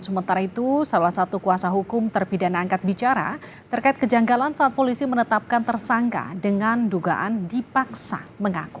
sementara itu salah satu kuasa hukum terpidana angkat bicara terkait kejanggalan saat polisi menetapkan tersangka dengan dugaan dipaksa mengaku